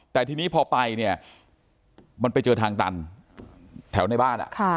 แต่ทีนี้พอไปเนี่ยมันไปเจอทางตันแถวในบ้าน